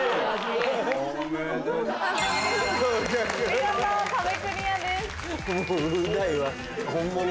見事壁クリアです。